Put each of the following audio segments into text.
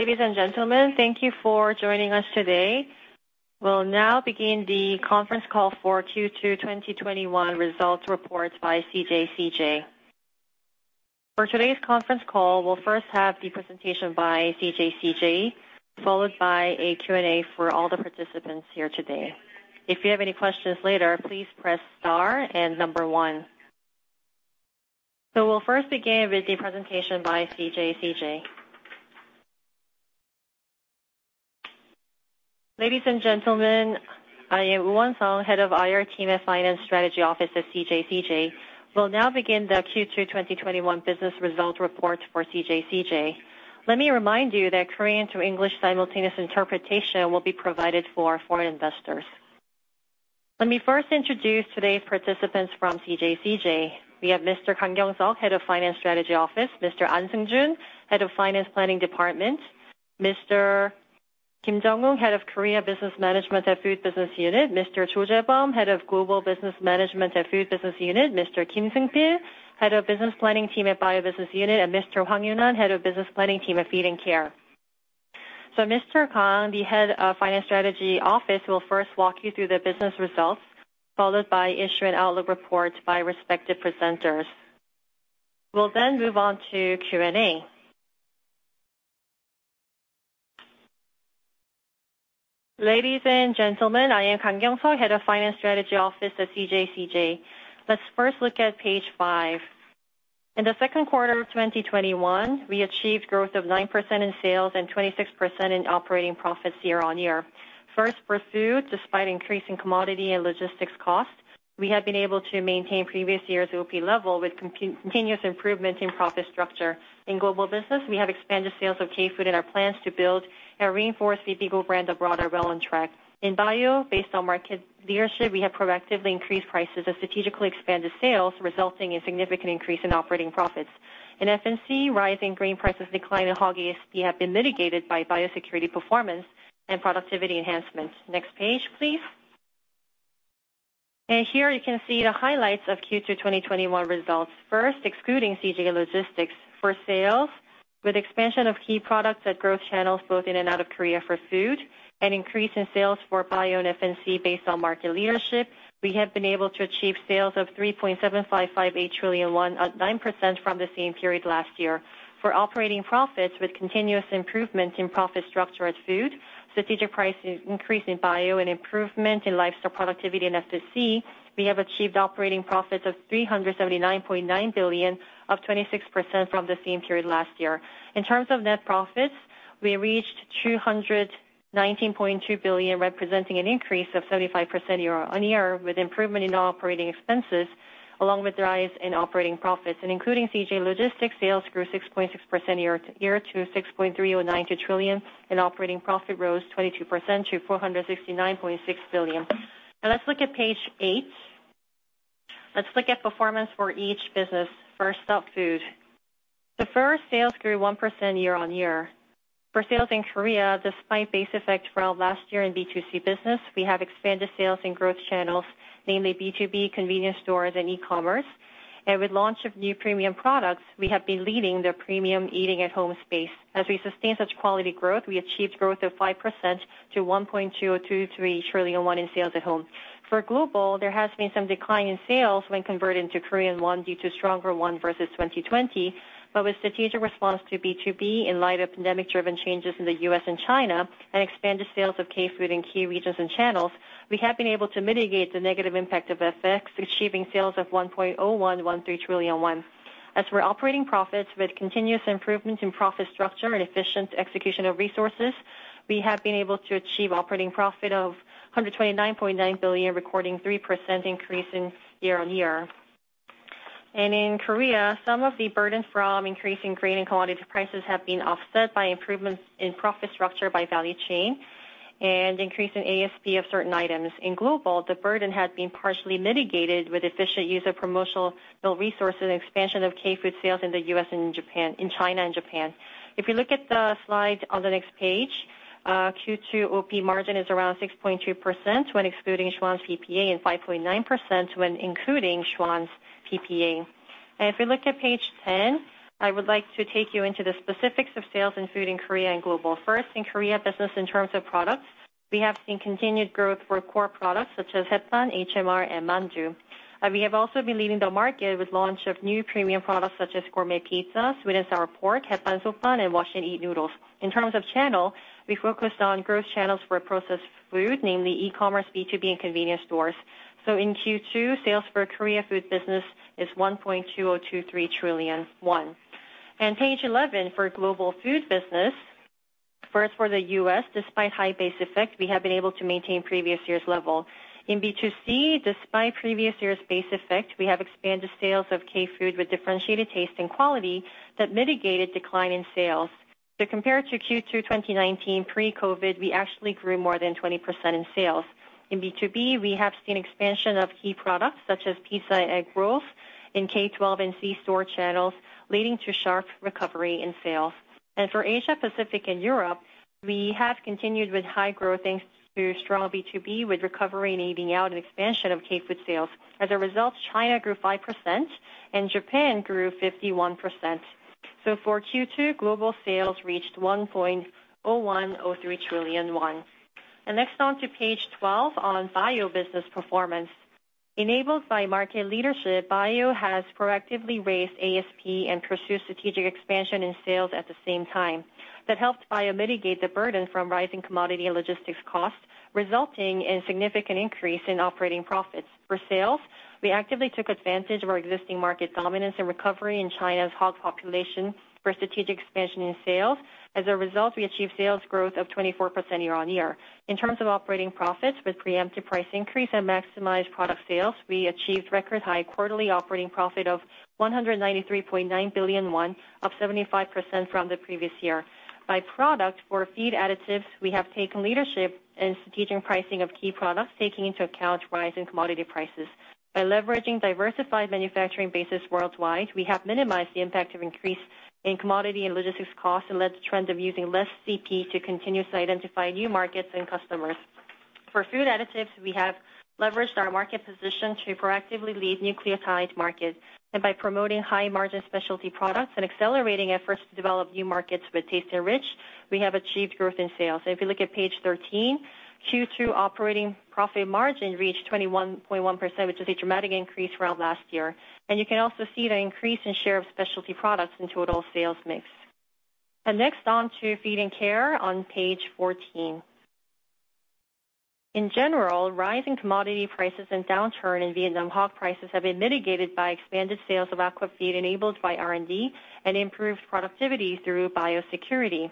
Ladies and gentlemen, thank you for joining us today. We'll now begin the conference call for Q2 2021 results reports by CJ CheilJedang. For today's conference call, we'll first have the presentation by CJ CheilJedang, followed by a Q&A for all the participants here today. If you have any questions later, please press star and number one. We'll first begin with the presentation by CJ CheilJedang. Ladies and gentlemen, I am Won Song, Head of IR Team at Finance Strategy Office at CJ CheilJedang. We'll now begin the Q2 2021 business result report for CJ CheilJedang. Let me remind you that Korean to English simultaneous interpretation will be provided for foreign investors. Let me first introduce today's participants from CJ CheilJedang. We have Mr. Kang Kyoung Suk, Head of Finance Strategy Office, Mr. An Sung Jun, Head of Finance Planning Department. Mr. Kim Jung Un, Head of Korea Business Management at Food Business Unit. Mr. Cho Jae Bum, Head of Global Business Management at Food Business Unit. Mr. Kim Sung Pil, Head of Business Planning Team at Bio Business Unit, and Mr. Hwang Yun Han, Head of Business Planning Team at Feed and Care. Mr. Kang Kyoung Suk, the Head of Finance Strategy Office, will first walk you through the business results, followed by issue and outlook reports by respective presenters. We'll then move on to Q&A. Ladies and gentlemen, I am Kang Kyoung Suk, Head of Finance Strategy Office at CJ CheilJedang. Let's first look at page five. In the second quarter of 2021, we achieved growth of 9% in sales and 26% in operating profits year-on-year. For food, despite increasing commodity and logistics costs, we have been able to maintain previous year's OP level with continuous improvement in profit structure. In global business, we have expanded sales of K-food, our plans to build and reinforce the bibigo brand abroad are well on track. In bio, based on market leadership, we have proactively increased prices of strategically expanded sales, resulting in significant increase in operating profits. In FNC, rising grain prices decline in hog ASP have been mitigated by biosecurity performance and productivity enhancements. Next page, please. Here you can see the highlights of Q2 2021 results. Excluding CJ Logistics for sales, with expansion of key products at growth channels both in and out of Korea for food, an increase in sales for bio and FNC based on market leadership. We have been able to achieve sales of 3.7558 trillion won at 9% from the same period last year. For operating profits with continuous improvements in profit structure at food, strategic price increase in bio and improvement in livestock productivity in FNC, we have achieved operating profits of 379.9 billion, up 26% from the same period last year. In terms of net profits, we reached 219.2 billion, representing an increase of 75% year-on-year, with improvement in operating expenses, along with the rise in operating profits. Including CJ Logistics, sales grew 6.6% year to 6.3092 trillion, and operating profit rose 22% to 469.6 billion. Let's look at page eight. Let's look at performance for each business. First up, food. The first sales grew 1% year-on-year. For sales in Korea, despite base effect from last year in B2C business, we have expanded sales and growth channels, namely B2B, convenience stores and e-commerce. With launch of new premium products, we have been leading the premium eating at home space. As we sustain such quality growth, we achieved growth of 5% to 1.2023 trillion won in sales at home. For global, there has been some decline in sales when converted to Korean won due to stronger won versus 2020, but with strategic response to B2B in light of pandemic-driven changes in the U.S. and China, and expanded sales of K-food in key regions and channels, we have been able to mitigate the negative impact of FX, achieving sales of 1.0113 trillion won. As for operating profits with continuous improvements in profit structure and efficient execution of resources, we have been able to achieve operating profit of 129.9 billion, recording 3% increase in year-on-year. In Korea, some of the burden from increasing grain and commodity prices have been offset by improvements in profit structure by value chain and increase in ASP of certain items. In global, the burden had been partially mitigated with efficient use of promotional resources and expansion of K-food sales in the U.S., in China and Japan. If you look at the slide on the next page, Q2 OP margin is around 6.2% when excluding Schwan's PPA and 5.9% when including Schwan's PPA. If we look at page 10, I would like to take you into the specifics of sales in food in Korea and global. In Food Business Unit in terms of products, we have seen continued growth for core products such as HMR and mandu. We have also been leading the market with launch of new premium products such as gourmet pizza, sweet and sour pork, and wash and eat noodles. In terms of channel, we focused on growth channels for processed food, namely e-commerce, B2B, and convenience stores. In Q2, sales for Food Business Unit is 1.2023 trillion won. Page 11 for global Food Business Unit. For the U.S., despite high base effect, we have been able to maintain previous year's level. In B2C, despite previous year's base effect, we have expanded sales of K-food with differentiated taste and quality that mitigated decline in sales. Compared to Q2 2019 pre-COVID, we actually grew more than 20% in sales. In B2B, we have seen expansion of key products such as pizza and egg rolls in K12 and C-store channels, leading to sharp recovery in sales. For Asia Pacific and Europe, we have continued with high growth thanks to strong B2B, with recovery needing out an expansion of K-food sales. As a result, China grew 5% and Japan grew 51%. For Q2, global sales reached 1.0103 trillion won. Next, on to page 12 on Bio business performance. Enabled by market leadership, Bio has proactively raised ASP and pursue strategic expansion in sales at the same time. That helped Bio mitigate the burden from rising commodity logistics costs, resulting in significant increase in operating profits. For sales, we actively took advantage of our existing market dominance and recovery in China's hog population for strategic expansion in sales. As a result, we achieved sales growth of 24% year-on-year. In terms of operating profits, with preemptive price increase and maximized product sales, we achieved record high quarterly operating profit of 193.9 billion won, up 75% from the previous year. By product for feed additives, we have taken leadership in strategic pricing of key products, taking into account rising commodity prices. By leveraging diversified manufacturing bases worldwide, we have minimized the impact of increase in commodity and logistics costs and led the trend of using less CP to continuously identify new markets and customers. For food additives, we have leveraged our market position to proactively lead nucleotide market. By promoting high-margin specialty products and accelerating efforts to develop new markets with TasteNrich, we have achieved growth in sales. If you look at page 13, Q2 operating profit margin reached 21.1%, which is a dramatic increase from last year. You can also see the increase in share of specialty products in total sales mix. Next, on to Feed and Care on page 14. In general, rising commodity prices and downturn in Vietnam hog prices have been mitigated by expanded sales of aqua feed enabled by R&D and improved productivity through biosecurity.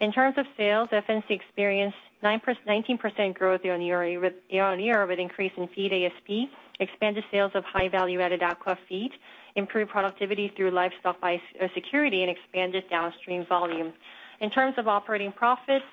In terms of sales, FNC experienced 19% growth year-on-year with increase in feed ASP, expanded sales of high value-added aqua feed, improved productivity through livestock biosecurity, and expanded downstream volume. In terms of operating profits,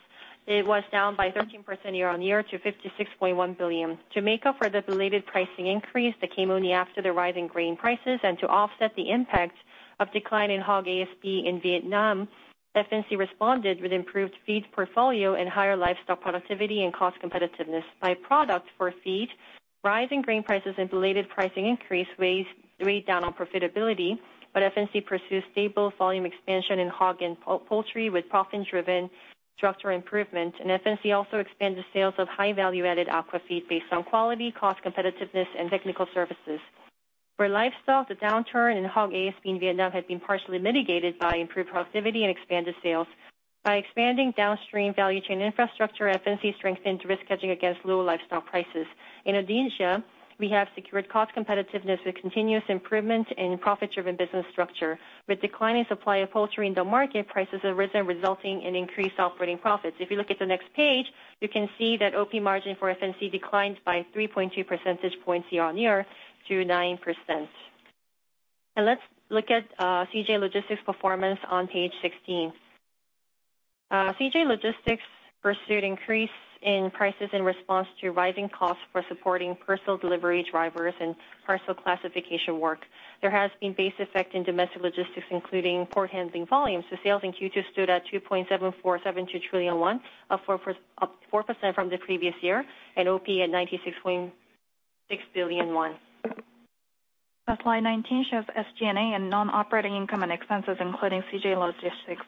it was down by 13% year-on-year to 56.1 billion. To make up for the belated pricing increase that came only after the rise in grain prices and to offset the impact of decline in hog ASP in Vietnam, FNC responded with improved feed portfolio and higher livestock productivity and cost competitiveness. By product for feed, rising grain prices and belated pricing increase weighed down on profitability, but FNC pursued stable volume expansion in hog and poultry with profit-driven structural improvement. FNC also expanded sales of high value-added aqua feed based on quality, cost competitiveness, and technical services. For livestock, the downturn in hog ASP in Vietnam had been partially mitigated by improved productivity and expanded sales. By expanding downstream value chain infrastructure, FNC strengthened risk hedging against low livestock prices. In Indonesia, we have secured cost competitiveness with continuous improvement in profit-driven business structure. With declining supply of poultry in the market, prices have risen, resulting in increased operating profits. If you look at the next page, you can see that OP margin for FNC declined by 3.2 percentage points year-on-year to 9%. Let's look at CJ Logistics performance on page 16. CJ Logistics pursued increase in prices in response to rising costs for supporting parcel delivery drivers and parcel classification work. There has been base effect in domestic logistics, including port handling volumes. The sales in Q2 stood at 2.7472 trillion won, up 4% from the previous year, and OP at 96.6 billion won. Slide 19 shows SG&A and non-operating income and expenses, including CJ Logistics.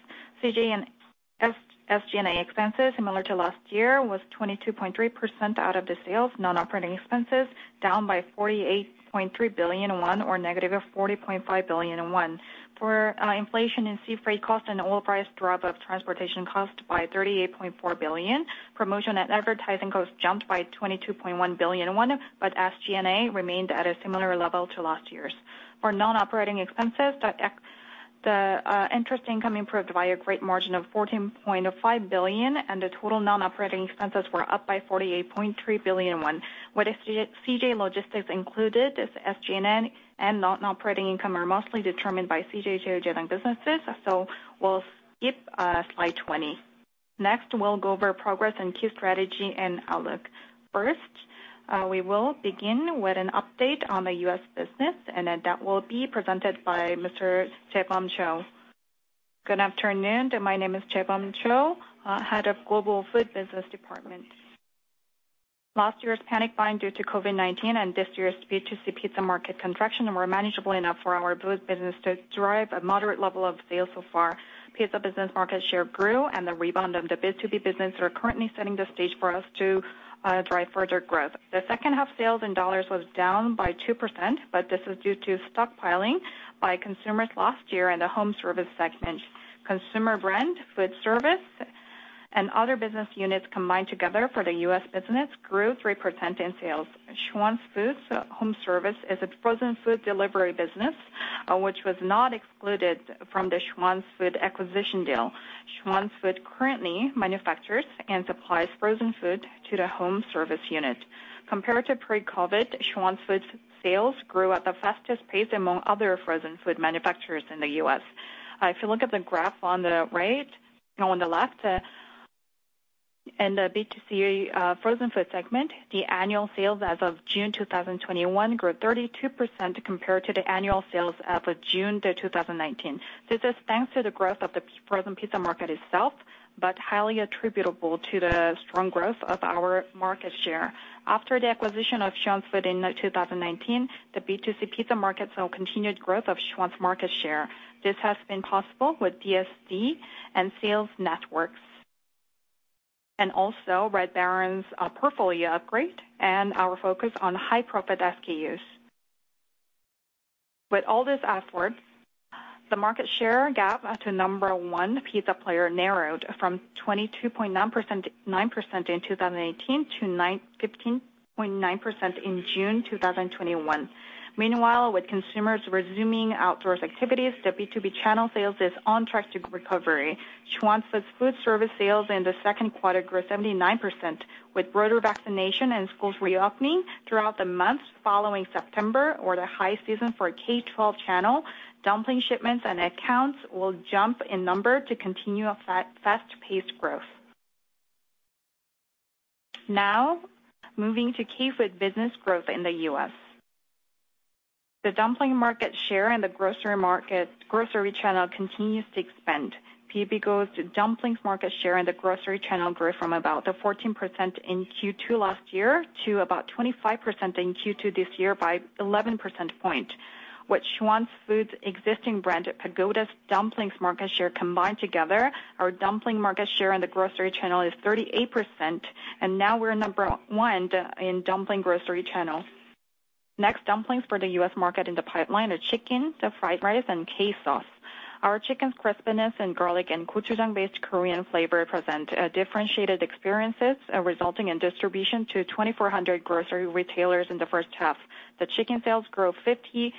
CJ and SG&A expenses, similar to last year, was 22.3% out of the sales. Non-operating expenses, down by 48.3 billion won or negative 40.5 billion won. For inflation in sea freight cost and oil price drop of transportation cost by 38.4 billion, promotion and advertising costs jumped by 22.1 billion won, but SG&A remained at a similar level to last year's. For non-operating expenses, the interest income improved by a great margin of 14.5 billion. The total non-operating expenses were up by 48.3 billion. With CJ Logistics included, the SG&A and non-operating income are mostly determined by CJ CheilJedang businesses. We'll skip slide 20. We'll go over progress in key strategy and outlook. First, we will begin with an update on the U.S. business. That will be presented by Mr. Jaebum Cho. Good afternoon. My name is Jaebum Cho, Head of Global Food Business Department. Last year's panic buying due to COVID-19 and this year's B2C pizza market contraction were manageable enough for our food business to drive a moderate level of sales so far. Pizza business market share grew. The rebound of the B2B business are currently setting the stage for us to drive further growth. The second half sales in dollars was down by 2%, but this is due to stockpiling by consumers last year in the home service segment. Consumer brand, food service, and other business units combined together for the U.S. business grew 3% in sales. Schwan's Home Service is a frozen food delivery business, which was not excluded from the Schwan's Company acquisition deal. Schwan's Company currently manufactures and supplies frozen food to the home service unit. Compared to pre-COVID, Schwan's Company sales grew at the fastest pace among other frozen food manufacturers in the U.S. If you look at the graph on the left, in the B2C frozen food segment, the annual sales as of June 2021 grew 32% compared to the annual sales as of June 2019. This is thanks to the growth of the frozen pizza market itself, but highly attributable to the strong growth of our market share. After the acquisition of Schwan's Company in 2019, the B2C pizza market saw continued growth of Schwan's market share. This has been possible with DSD and sales networks, and also Red Baron's portfolio upgrade and our focus on high profit SKUs. With all this effort, the market share gap to number one pizza player narrowed from 22.9% in 2018 to 15.9% in June 2021. Meanwhile, with consumers resuming outdoors activities, the B2B channel sales is on track to recovery. Schwan's Food Service sales in the second quarter grew 79%, with broader vaccination and schools reopening throughout the months following September or the high season for K12 channel, dumpling shipments and accounts will jump in number to continue a fast-paced growth. Now, moving to K-food business growth in the U.S. The dumpling market share in the grocery channel continues to expand. Bibigo's dumplings market share in the grocery channel grew from about the 14% in Q2 last year to about 25% in Q2 this year by 11% point. With Schwan's Food's existing brand, bibigo's dumplings market share combined together, our dumpling market share in the grocery channel is 38%, now we're number one in dumpling grocery channels. Dumplings for the U.S. market in the pipeline are chicken, the fried rice, and K-sauce. Our chicken's crispiness and garlic and gochujang-based Korean flavor present differentiated experiences, resulting in distribution to 2,400 grocery retailers in the first half. The chicken sales grew 51%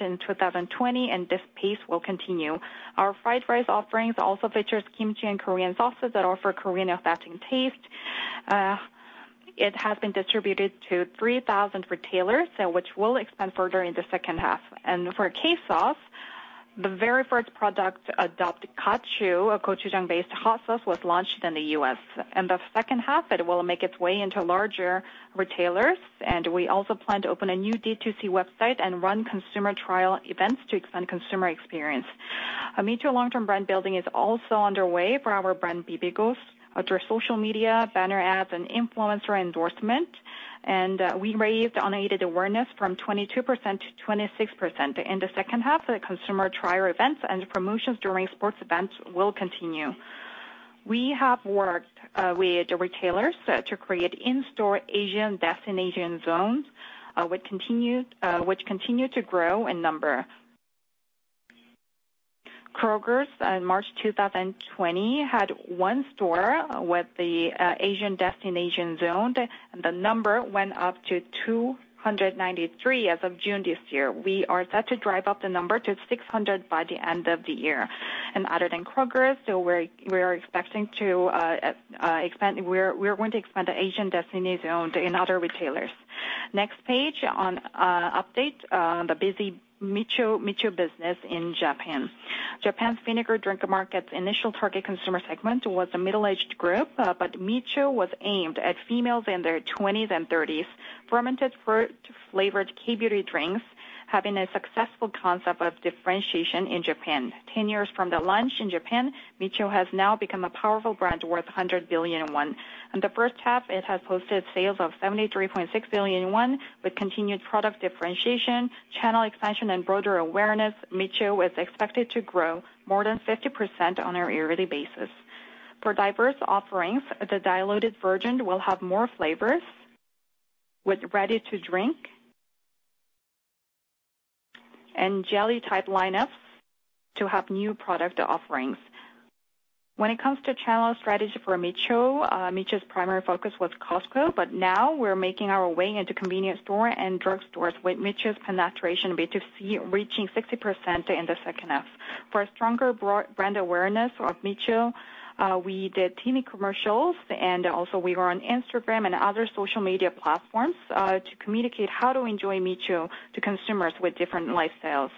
in 2020, and this pace will continue. Our fried rice offerings also features kimchi and Korean sauces that offer Korean authentic taste. It has been distributed to 3,000 retailers, which will expand further in the second half. For K-sauce, the very first product, GOTCHU, a gochujang-based hot sauce, was launched in the U.S. In the second half, it will make its way into larger retailers, and we also plan to open a new D2C website and run consumer trial events to expand consumer experience. Micho long-term brand building is also underway for our brand bibigo through social media, banner ads, and influencer endorsement. We raised unaided awareness from 22%-26%. In the second half, the consumer trial events and promotions during sports events will continue. We have worked with the retailers to create in-store Asian destination zones, which continue to grow in number. Kroger, in March 2020, had one store with the Asian destination zone. The number went up to 293 as of June this year. We are set to drive up the number to 600 by the end of the year. Other than Kroger, we're going to expand the Asian destination zone in other retailers. Next page on update on the Micho business in Japan. Japan's vinegar drink market's initial target consumer segment was the middle-aged group, but Micho was aimed at females in their 20s and 30s. Fermented fruit-flavored K-beauty drinks, having a successful concept of differentiation in Japan. 10 years from the launch in Japan, Micho has now become a powerful brand worth 100 billion won. In the first half, it has posted sales of 73.6 billion won. With continued product differentiation, channel expansion, and broader awareness, Micho is expected to grow more than 50% on a yearly basis. For diverse offerings, the diluted version will have more flavors, with ready-to-drink and jelly type lineups to have new product offerings. When it comes to channel strategy for Micho's primary focus was Costco. Now we're making our way into convenience store and drugstores, with Micho's penetration B2C reaching 60% in the second half. For a stronger brand awareness of Micho, we did TV commercials. Also we were on Instagram and other social media platforms to communicate how to enjoy Micho to consumers with different lifestyles.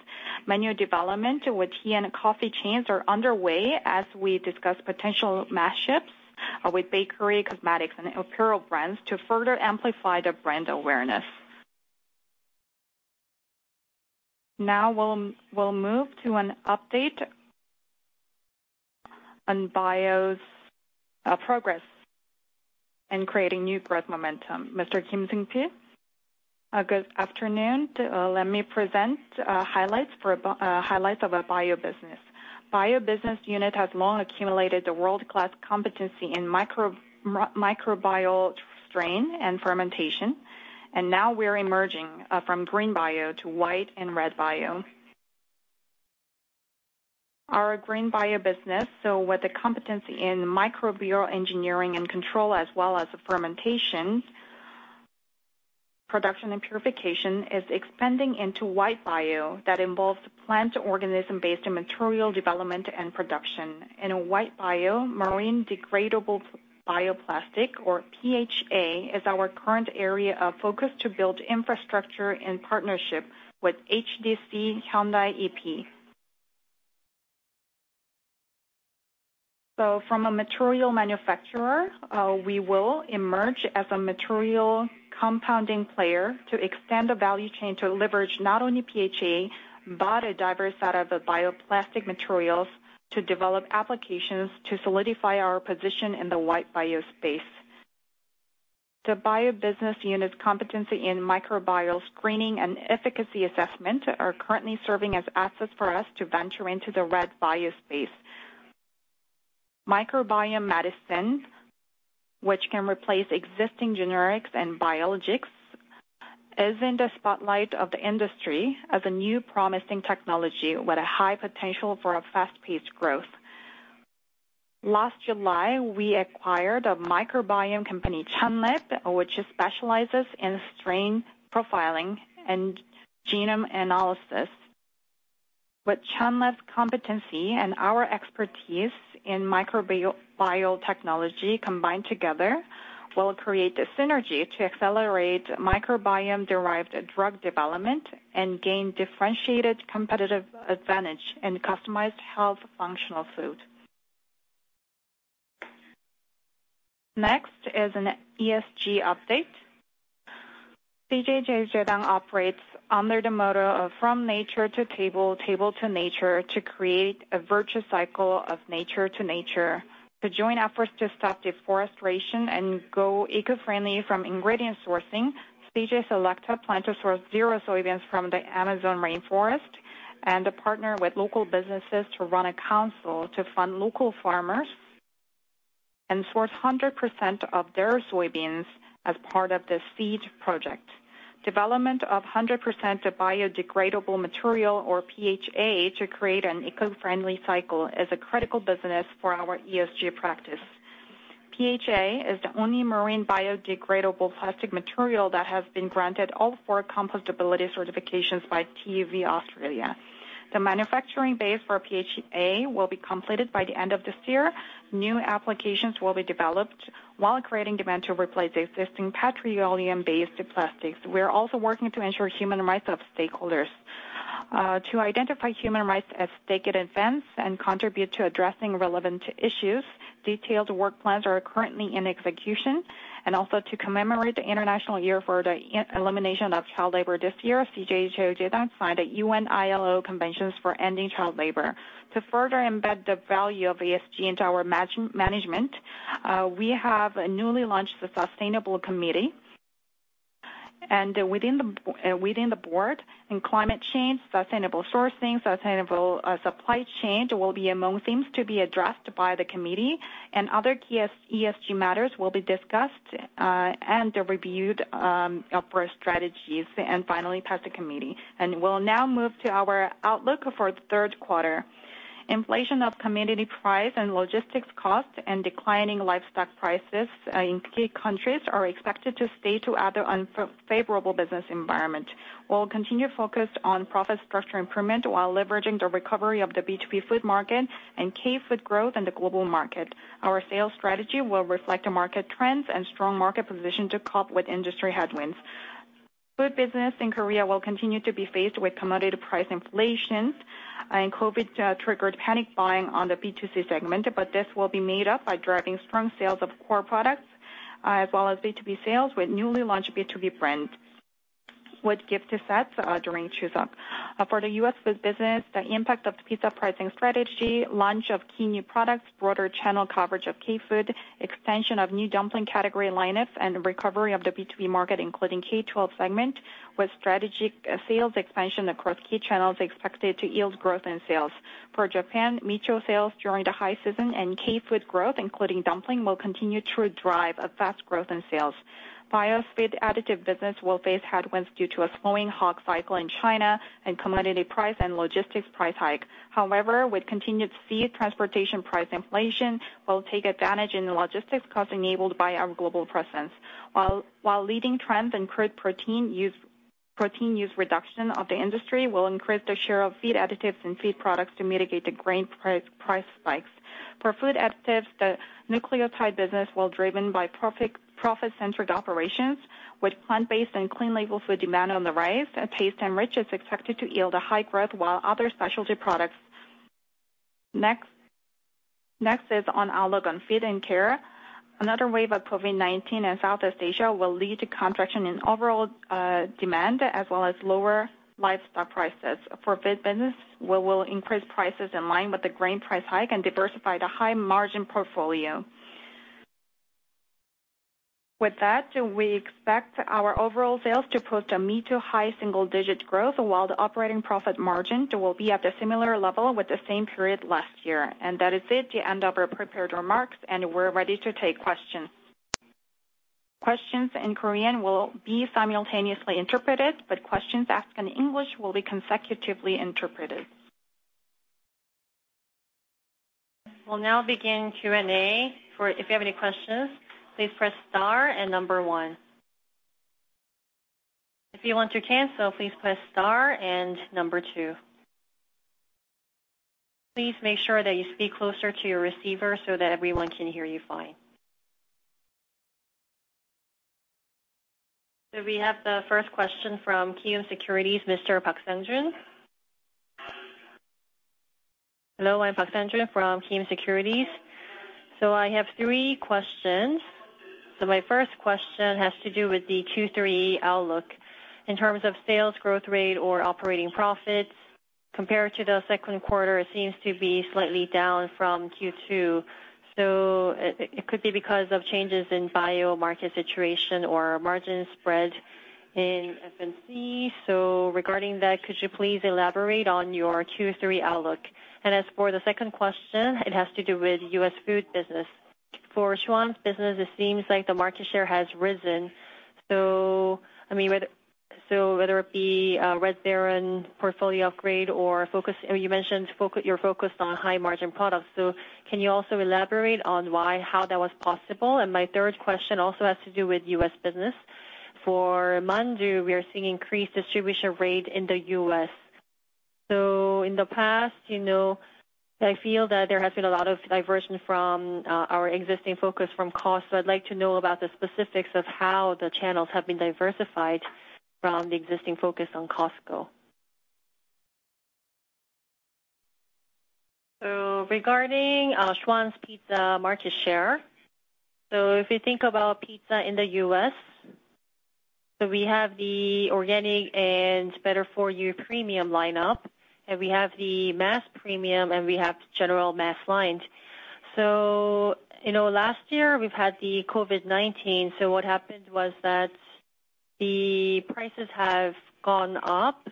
Menu development with tea and coffee chains are underway as we discuss potential mashups with bakery, cosmetics, and apparel brands to further amplify the brand awareness. We'll move to an update on Bio's progress in creating new growth momentum. Mr. Kim Sung Pil. Good afternoon. Let me present highlights of our Bio Business. Bio Business Unit has long accumulated the world-class competency in microbial strain and fermentation, and now we're emerging from green bio to white and red bio. Our green bio business, so with the competency in microbial engineering and control as well as fermentation, production, and purification, is expanding into white bio that involves plant organism-based material development and production. In white bio, marine degradable bioplastic or PHA is our current area of focus to build infrastructure in partnership with HDC Hyundai EP. From a material manufacturer, we will emerge as a material compounding player to extend the value chain to leverage not only PHA, but a diverse set of bioplastic materials to develop applications to solidify our position in the white bio space. The Bio Business Unit competency in microbial screening and efficacy assessment are currently serving as assets for us to venture into the red bio space. Microbiome medicine, which can replace existing generics and biologics, is in the spotlight of the industry as a new promising technology with a high potential for a fast-paced growth. Last July, we acquired a microbiome company, ChunLab, which specializes in strain profiling and genome analysis. With ChunLab's competency and our expertise in microbiology technology combined together, will create the synergy to accelerate microbiome-derived drug development and gain differentiated competitive advantage in customized health functional food. Next is an ESG update. CJ CheilJedang operates under the motto of "From nature to table to nature" to create a virtual cycle of nature to nature. To join efforts to stop deforestation and go eco-friendly from ingredient sourcing, CJ Selecta plan to source zero soybeans from the Amazon rainforest and to partner with local businesses to run a council to fund local farmers, and source 100% of their soybeans as part of the feed project. Development of 100% biodegradable material or PHA to create an eco-friendly cycle is a critical business for our ESG practice. PHA is the only marine biodegradable plastic material that has been granted all four compostability certifications by TÜV Austria. The manufacturing base for PHA will be completed by the end of this year. New applications will be developed while creating demand to replace existing petroleum-based plastics. We are also working to ensure human rights of stakeholders. To identify human rights as staked events and contribute to addressing relevant issues, detailed work plans are currently in execution, also to commemorate the international year for the elimination of child labor this year, CJ Cheiljedang signed a UN ILO conventions for ending child labor. To further embed the value of ESG into our management, we have newly launched the Sustainable Committee. Within the board, climate change, sustainable sourcing, sustainable supply chain will be among things to be addressed by the committee. Other key ESG matters will be discussed and reviewed for strategies and finally pass the committee. We'll now move to our outlook for the third quarter. Inflation of commodity price and logistics cost and declining livestock prices in key countries are expected to stay to other unfavorable business environment, while continue focused on profit structure improvement while leveraging the recovery of the B2B food market and K-food growth in the global market. Our sales strategy will reflect the market trends and strong market position to cope with industry headwinds. Food business in Korea will continue to be faced with commodity price inflation and COVID-triggered panic buying on the B2C segment, but this will be made up by driving strong sales of core products, as well as B2B sales with newly launched B2B brand with gift sets during Chuseok. For the U.S. food business, the impact of pizza pricing strategy, launch of key new products, broader channel coverage of K-food, expansion of new dumpling category lineups, and recovery of the B2B market, including K12 segment with strategic sales expansion across key channels expected to yield growth in sales. For Japan, Micho sales during the high season and K-food growth, including dumpling, will continue to drive a fast growth in sales. Bio's feed additive business will face headwinds due to a slowing hog cycle in China and commodity price and logistics price hike. With continued feed transportation price inflation, we'll take advantage in the logistics cost enabled by our global presence. Leading trend in crude protein use reduction of the industry will increase the share of feed additives and feed products to mitigate the grain price spikes. For food additives, the nucleotide business, while driven by profit-centric operations with plant-based and clean label food demand on the rise, TasteNrich is expected to yield a high growth while other specialty products. Next is on our CJ Feed&Care. Another wave of COVID-19 in Southeast Asia will lead to contraction in overall demand, as well as lower livestock prices. For feed business, we will increase prices in line with the grain price hike and diversify the high margin portfolio. With that, we expect our overall sales to post a mid to high single-digit growth while the operating profit margin will be at a similar level with the same period last year. That is it, the end of our prepared remarks, and we're ready to take questions. Questions in Korean will be simultaneously interpreted, but questions asked in English will be consecutively interpreted. We'll now begin Q&A. If you have any questions, please press star and number one. If you want to cancel, please press star and number two. Please make sure that you speak closer to your receiver so that everyone can hear you fine. We have the first question from Kiwoom Securities, Mr. Park Sangjun. Hello, I'm Park Sangjun from Kiwoom Securities. I have three questions. My first question has to do with the Q3 outlook. In terms of sales growth rate or operating profits, compared to the second quarter, it seems to be slightly down from Q2. It could be because of changes in bio market situation or margin spread in F&C. Regarding that, could you please elaborate on your Q3 outlook? As for the second question, it has to do with U.S. food business. For Schwan's business, it seems like the market share has risen. Whether it be Red Baron portfolio upgrade or you mentioned you're focused on high-margin products. Can you also elaborate on why, how that was possible? My third question also has to do with U.S. business. For mandu, we are seeing increased distribution rate in the U.S. In the past, I feel that there has been a lot of diversion from our existing focus from Costco. I'd like to know about the specifics of how the channels have been diversified from the existing focus on Costco. Regarding Schwan's Pizza market share, so if you think about pizza in the U.S., so we have the organic and better-for-you premium lineup, and we have the mass premium, and we have general mass lines. Last year we've had the COVID-19, so what happened was that the prices have gone up.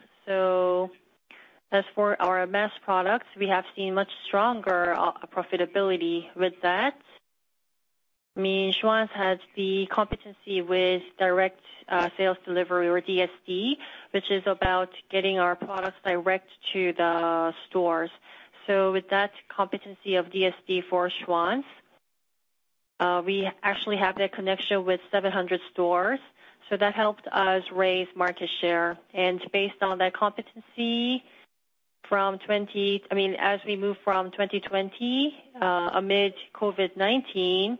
As for our mass products, we have seen much stronger profitability with that. Schwan's has the competency with direct sales delivery or DSD, which is about getting our products direct to the stores. With that competency of DSD for Schwan's, we actually have that connection with 700 stores. That helped us raise market share. Based on that competency, as we move from 2020, amid COVID-19,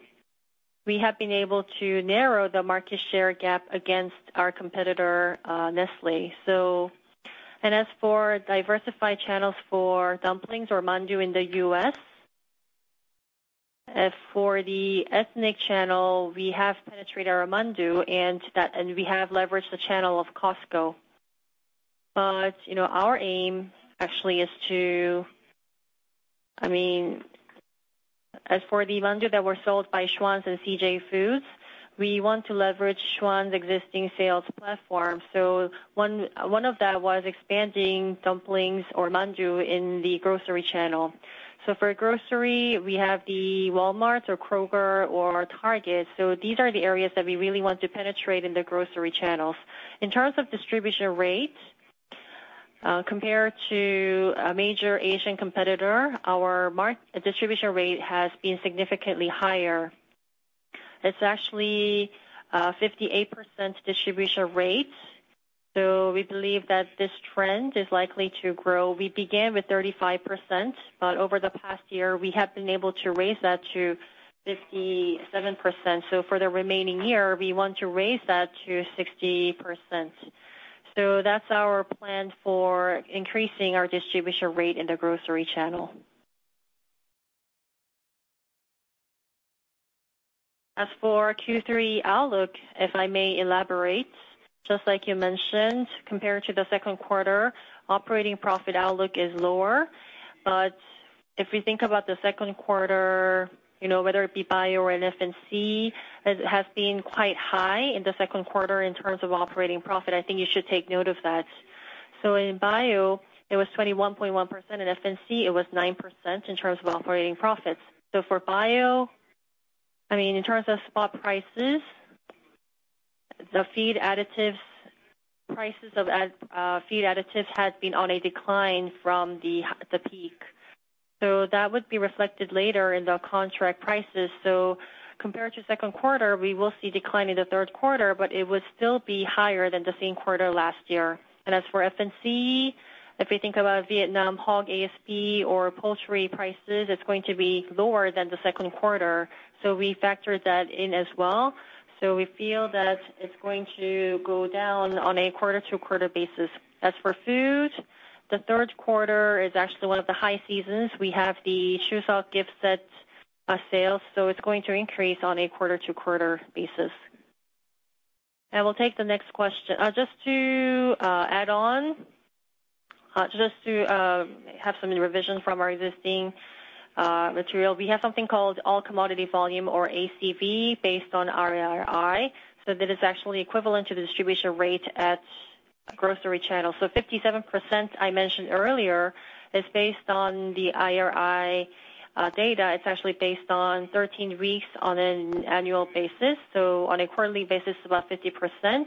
we have been able to narrow the market share gap against our competitor, Nestlé. As for diversified channels for dumplings or mandu in the U.S., as for the ethnic channel, we have penetrated our mandu, and we have leveraged the channel of Costco. As for the mandu that were sold by Schwan's and CJ Foods, we want to leverage Schwan's existing sales platform. One of that was expanding dumplings or mandu in the grocery channel. For grocery, we have the Walmart or Kroger or Target. These are the areas that we really want to penetrate in the grocery channels. In terms of distribution rate, compared to a major Asian competitor, our distribution rate has been significantly higher. It's actually a 58% distribution rate. We believe that this trend is likely to grow. We began with 35%, but over the past year, we have been able to raise that to 57%. For the remaining year, we want to raise that to 60%. That's our plan for increasing our distribution rate in the grocery channel. As for Q3 outlook, if I may elaborate, just like you mentioned, compared to the second quarter, operating profit outlook is lower. If we think about the second quarter, whether it be bio or in F&C, it has been quite high in the second quarter in terms of operating profit. I think you should take note of that. In bio, it was 21.1%, in F&C, it was 9% in terms of operating profits. For bio, in terms of spot prices, the prices of feed additives has been on a decline from the peak. That would be reflected later in the contract prices. Compared to second quarter, we will see decline in the third quarter, but it would still be higher than the same quarter last year. As for F&C, if we think about Vietnam hog ASP or poultry prices, it's going to be lower than the second quarter. We factor that in as well. We feel that it's going to go down on a quarter-to-quarter basis. As for food, the third quarter is actually one of the high seasons. We have the Chuseok gift set sales, so it's going to increase on a quarter-to-quarter basis. We'll take the next question. Just to add on, just to have some revision from our existing material, we have something called all commodity volume or ACV based on our IRI. That is actually equivalent to the distribution rate at grocery channel. 57% I mentioned earlier is based on the IRI data. It's actually based on 13 weeks on an annual basis. On a quarterly basis, it's about 50%.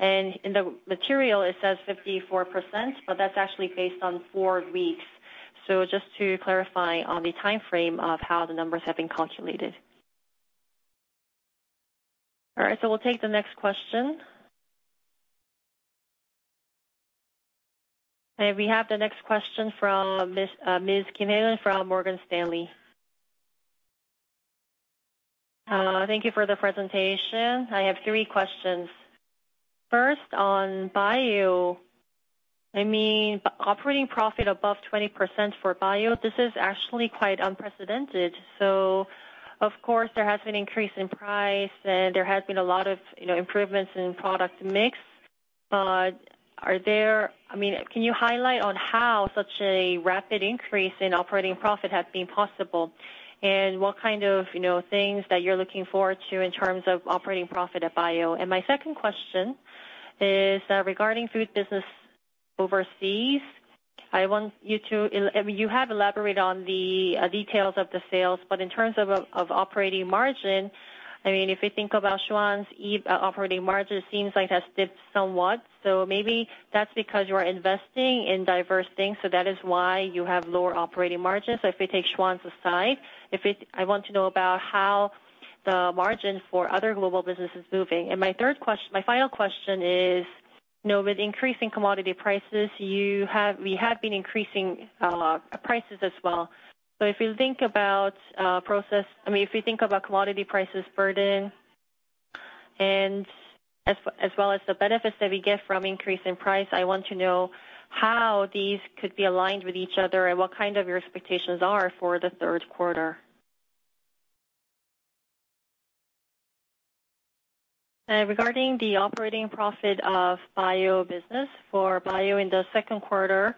In the material, it says 54%, but that's actually based on four weeks. Just to clarify on the timeframe of how the numbers have been calculated. All right. We'll take the next question. We have the next question from Ms. Kim Hyeeun from Morgan Stanley. Thank you for the presentation. I have three questions. First, on bio. Operating profit above 20% for bio, this is actually quite unprecedented. Of course, there has been increase in price and there has been a lot of improvements in product mix. Can you highlight on how such a rapid increase in operating profit has been possible, and what kind of things that you're looking forward to in terms of operating profit at Bio? My second question is regarding Food Business Unit overseas. You have elaborated on the details of the sales, in terms of operating margin, if we think about Schwan's operating margin, seems like it has dipped somewhat. Maybe that's because you are investing in diverse things, so that is why you have lower operating margins. If we take Schwan's aside, I want to know about how the margin for other global business is moving. My final question is, with increasing commodity prices, we have been increasing prices as well. If we think about commodity prices burden as well as the benefits that we get from increase in price, I want to know how these could be aligned with each other and what your expectations are for the third quarter? Regarding the operating profit of Bio business. For Bio in the second quarter,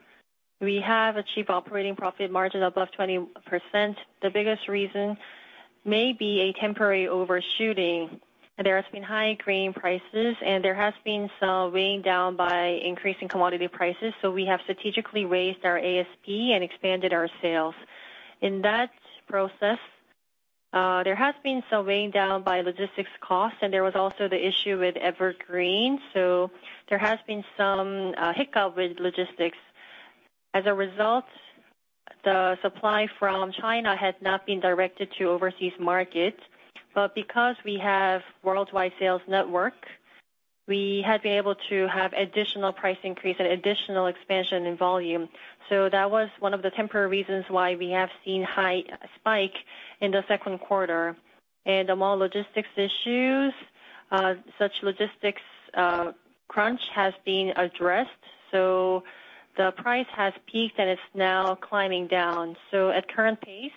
we have achieved operating profit margin above 20%. The biggest reason may be a temporary overshooting. There has been high grain prices and there has been some weighing down by increasing commodity prices, we have strategically raised our ASP and expanded our sales. In that process, there has been some weighing down by logistics costs, and there was also the issue with Evergreen, there has been some hiccup with logistics. As a result, the supply from China had not been directed to overseas markets. Because we have worldwide sales network, we had been able to have additional price increase and additional expansion in volume. That was one of the temporary reasons why we have seen high spike in the second quarter. Among logistics issues, such logistics crunch has been addressed, the price has peaked and it's now climbing down. At current pace,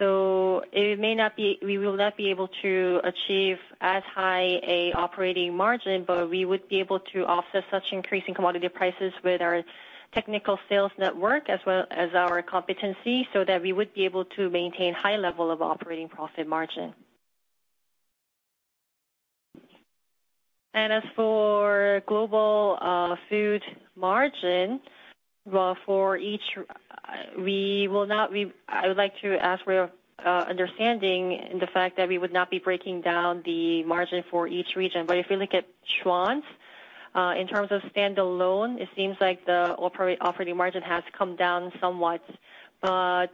we will not be able to achieve as high a operating margin, we would be able to offset such increasing commodity prices with our technical sales network as well as our competency, that we would be able to maintain high level of operating profit margin. As for global food margin, I would like to ask for your understanding in the fact that we would not be breaking down the margin for each region. If you look at Schwan's, in terms of standalone, it seems like the operating margin has come down somewhat. The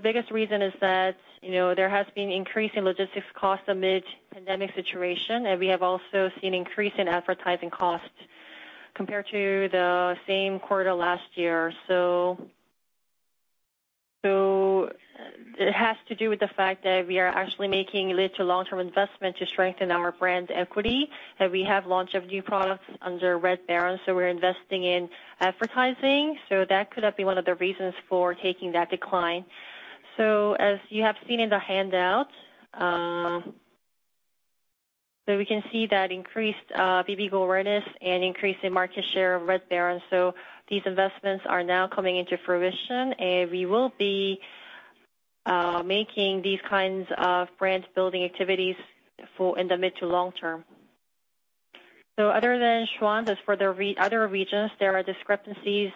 biggest reason is that there has been increase in logistics cost amid pandemic situation, and we have also seen increase in advertising cost compared to the same quarter last year. It has to do with the fact that we are actually making mid to long-term investment to strengthen our brand equity, and we have launch of new products under Red Baron, so we're investing in advertising. That could have been one of the reasons for taking that decline. As you have seen in the handout, we can see that increased bibigo awareness and increase in market share of Red Baron. These investments are now coming into fruition, and we will be making these kinds of brand-building activities in the mid to long term. Other than Schwan's, as for the other regions, there are discrepancies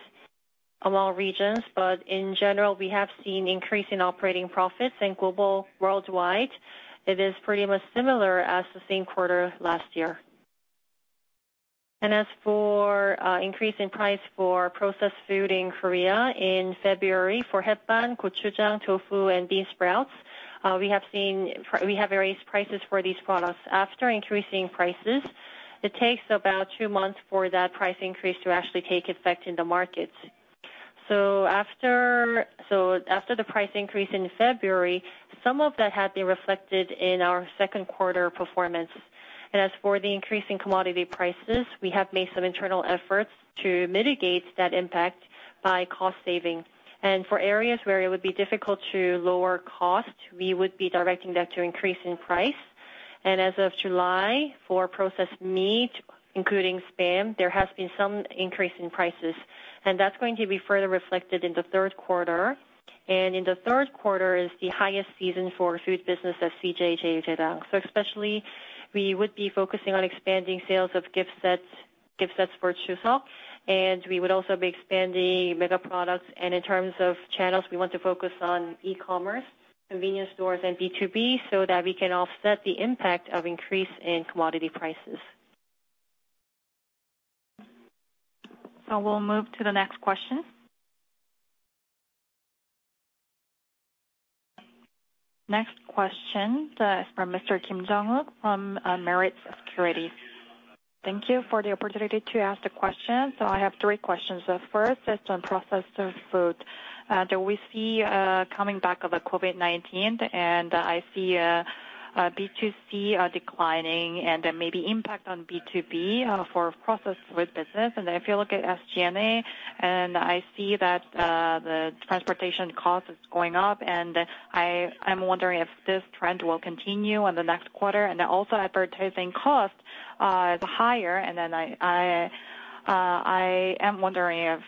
among regions. In general, we have seen increase in operating profits in global worldwide. It is pretty much similar as the same quarter last year. As for increase in price for processed food in Korea, in February, for tofu, and bean sprouts, we have raised prices for these products. After increasing prices, it takes about two months for that price increase to actually take effect in the markets. After the price increase in February, some of that had been reflected in our second quarter performance. As for the increase in commodity prices, we have made some internal efforts to mitigate that impact by cost saving. For areas where it would be difficult to lower cost, we would be directing that to increase in price. As of July, for processed meat, including SPAM, there has been some increase in prices, and that's going to be further reflected in the third quarter. In the third quarter is the highest season for food business at CJ CheilJedang. Especially, we would be focusing on expanding sales of gift sets for Chuseok, and we would also be expanding mega products. In terms of channels, we want to focus on e-commerce, convenience stores and B2B, so that we can offset the impact of increase in commodity prices. We'll move to the next question. Next question is from Ms. Kim Jung-wook from Meritz Securities. Thank you for the opportunity to ask the question. I have three questions. First is on processed food. Do we see a coming back of the COVID-19? I see B2C are declining and then maybe impact on B2B for processed food business. If you look at SG&A, I see that the transportation cost is going up, and I'm wondering if this trend will continue in the next quarter? Also advertising cost is higher, then I am wondering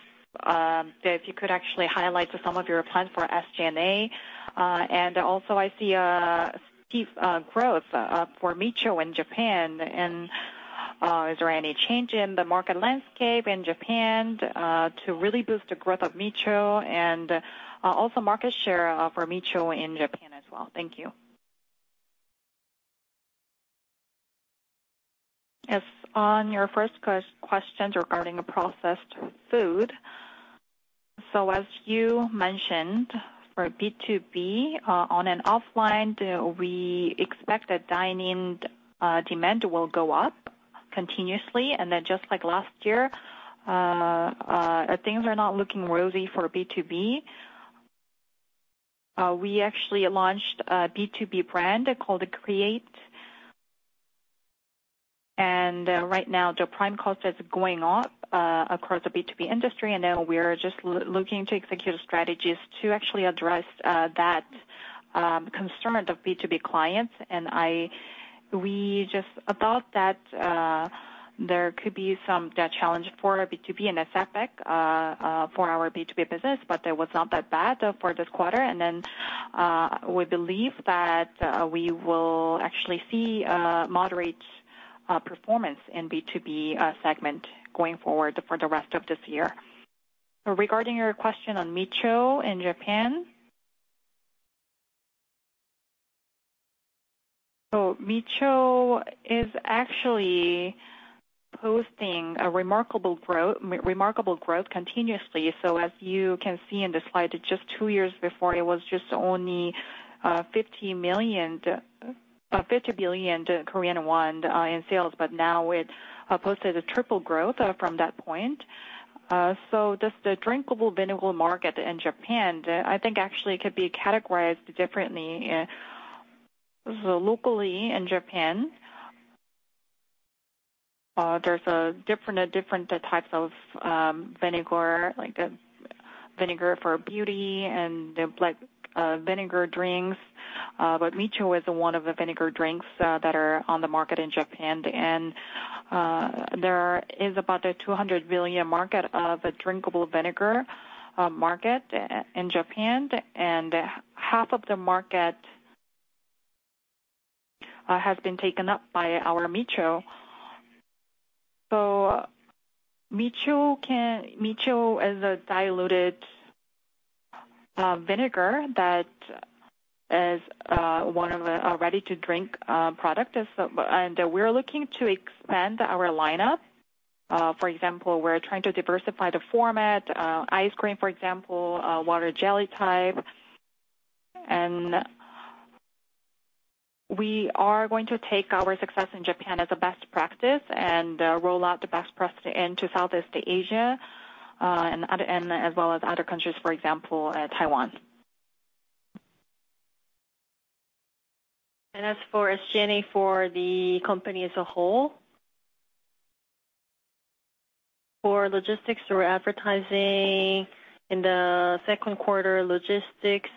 if you could actually highlight some of your plans for SG&A. Also, I see a steep growth for Micho in Japan. Is there any change in the market landscape in Japan to really boost the growth of Micho and also market share for Micho in Japan as well? Thank you. Yes, on your first question regarding processed food. As you mentioned, for B2B, on an offline, we expect that dining demand will go up continuously. Just like last year, things are not looking rosy for B2B. We actually launched a B2B brand called Creeat. Right now, the prime cost is going up across the B2B industry, and now we are just looking to execute strategies to actually address that concern of B2B clients. We just thought that there could be some challenge for our B2B in aspect for our B2B business. That was not that bad for this quarter. We believe that we will actually see a moderate performance in B2B segment going forward for the rest of this year. Regarding your question on Micho in Japan. Micho is actually posting a remarkable growth continuously. As you can see in the slide, just two years before, it was just only 50 billion Korean won in sales, but now it posted a triple growth from that point. Just the drinkable vinegar market in Japan, I think actually could be categorized differently. Locally in Japan, there's different types of vinegar, like vinegar for beauty and vinegar drinks. Micho is one of the vinegar drinks that are on the market in Japan. There is about a 200 billion market of drinkable vinegar market in Japan, and half of the market has been taken up by our Micho. Micho is a diluted vinegar that is one of the ready-to-drink product. We're looking to expand our lineup. For example, we're trying to diversify the format, ice cream, for example, water jelly type. We are going to take our success in Japan as a best practice and roll out the best practice into Southeast Asia, and as well as other countries, for example, Taiwan. As for SG&A for the company as a whole. For logistics or advertising in the second quarter logistics,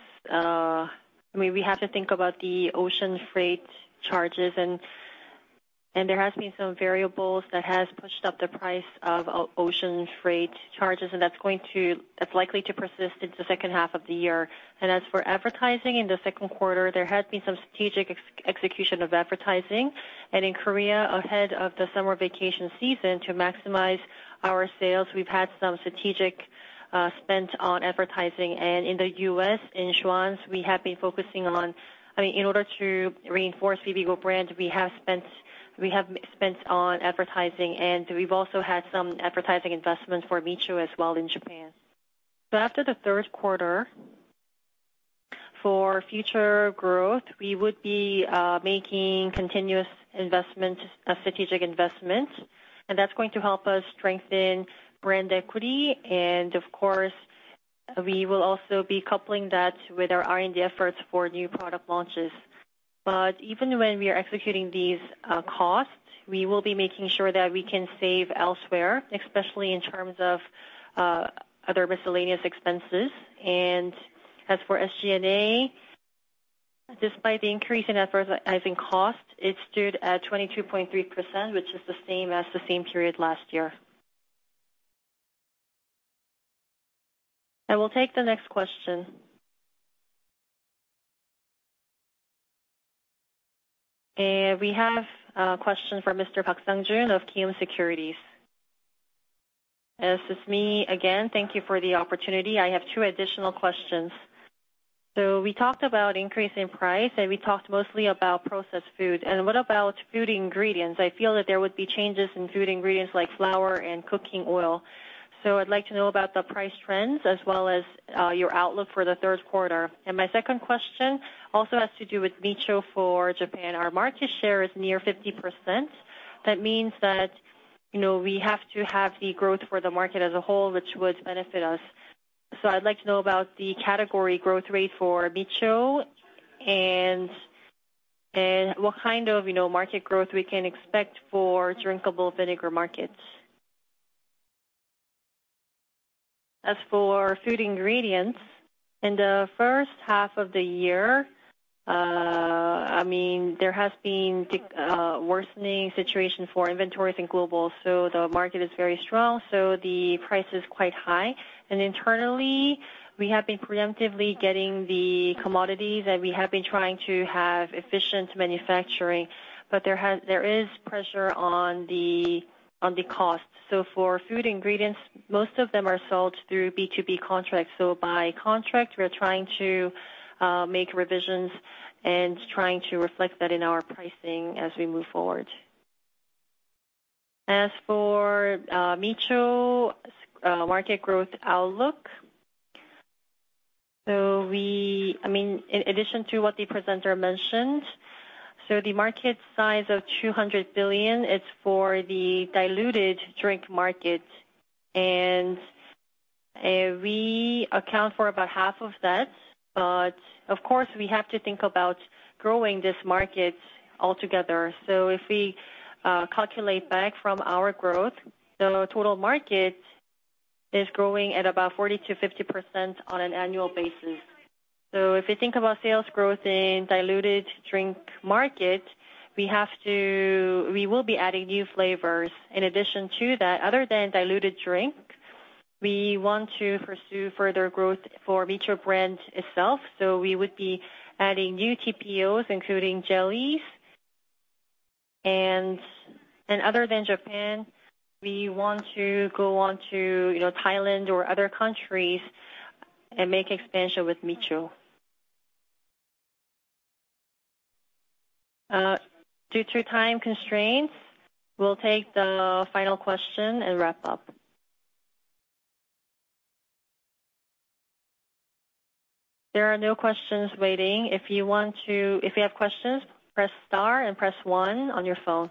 we have to think about the ocean freight charges, and there has been some variables that has pushed up the price of ocean freight charges, and that's likely to persist into the second half of the year. As for advertising in the second quarter, there has been some strategic execution of advertising. In Korea, ahead of the summer vacation season to maximize our sales, we've had some strategic spend on advertising. In the U.S., in Schwan's, in order to reinforce bibigo brand, we have spent on advertising, and we've also had some advertising investments for Micho as well in Japan. After the third quarter, for future growth, we would be making continuous strategic investment, and that's going to help us strengthen brand equity. Of course, we will also be coupling that with our R&D efforts for new product launches. Even when we are executing these costs, we will be making sure that we can save elsewhere, especially in terms of other miscellaneous expenses. As for SG&A, despite the increase in advertising cost, it stood at 22.3%, which is the same as the same period last year. I will take the next question. We have a question from Mr. Park Sang-jun of Kiwoom Securities. This is me again. Thank you for the opportunity. I have two additional questions. We talked about increase in price, and we talked mostly about processed food. What about food ingredients? I feel that there would be changes in food ingredients like flour and cooking oil. I'd like to know about the price trends as well as your outlook for the third quarter. My second question also has to do with Micho for Japan. Our market share is near 50%. That means that we have to have the growth for the market as a whole, which would benefit us. I'd like to know about the category growth rate for Micho and what kind of market growth we can expect for drinkable vinegar markets. As for food ingredients, in the first half of the year, there has been a worsening situation for inventories in global. The market is very strong, the price is quite high. Internally, we have been preemptively getting the commodities, and we have been trying to have efficient manufacturing. There is pressure on the cost. For food ingredients, most of them are sold through B2B contracts. By contract, we are trying to make revisions and trying to reflect that in our pricing as we move forward. As for Micho market growth outlook, in addition to what the presenter mentioned, the market size of 200 billion is for the diluted drink market, and we account for about half of that. Of course, we have to think about growing this market altogether. If we calculate back from our growth, the total market is growing at about 40%-50% on an annual basis. If we think about sales growth in diluted drink market, we will be adding new flavors. In addition to that, other than diluted drink, we want to pursue further growth for Micho brand itself. We would be adding new TPOs, including jellies, and other than Japan, we want to go on to Thailand or other countries and make expansion with Micho. Due to time constraints, we'll take the final question and wrap up. There are no questions waiting. If you have questions, press star and press one on your phone.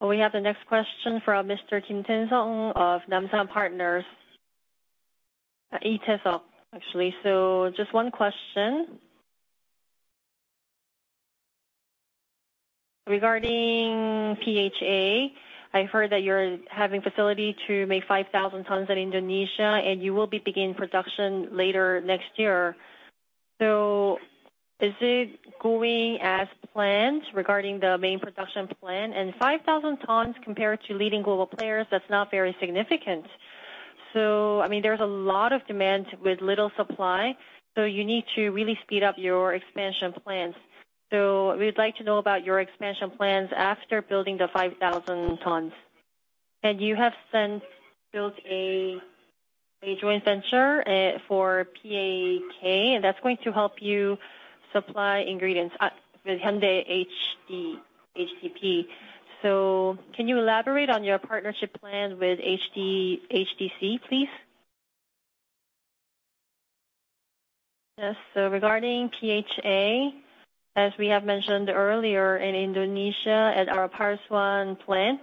We have the next question from Ms. Kim Tensong of Namsan Partners. Itesok, actually. Just one question. Regarding PHA, I heard that you're having facility to make 5,000 tons in Indonesia, and you will be beginning production later next year. Is it going as planned regarding the main production plan? And 5,000 tons compared to leading global players, that's not very significant. There's a lot of demand with little supply, so you need to really speed up your expansion plans. We'd like to know about your expansion plans after building the 5,000 tons. You have since built a joint venture for PHA, and that's going to help you supply ingredients with Hyundai EP. Can you elaborate on your partnership plan with HDC, please? Yes. Regarding PHA, as we have mentioned earlier, in Indonesia at our Pasuruan plant,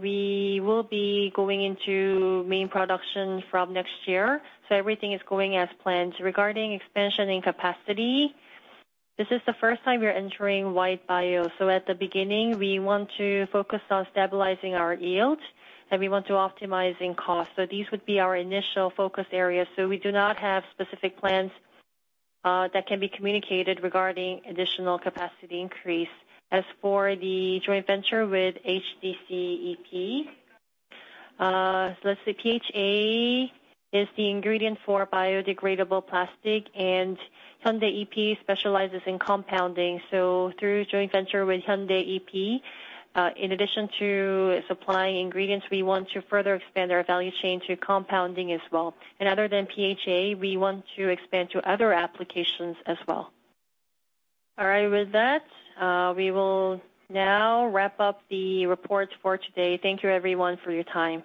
we will be going into main production from next year. Everything is going as planned. Regarding expansion in capacity, this is the first time we are entering white bio. At the beginning, we want to focus on stabilizing our yield, and we want to optimizing cost. These would be our initial focus areas. We do not have specific plans that can be communicated regarding additional capacity increase. As for the joint venture with HDC Hyundai EP, let's say PHA is the ingredient for biodegradable plastic, and Hyundai EP specializes in compounding. Through joint venture with Hyundai EP, in addition to supplying ingredients, we want to further expand our value chain to compounding as well. Other than PHA, we want to expand to other applications as well. All right. With that, we will now wrap up the report for today. Thank you everyone for your time.